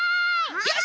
よし！